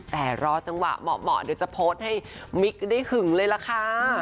แต่รอจังหวะเหมาะเดี๋ยวจะโพสต์ให้มิกได้หึงเลยล่ะค่ะ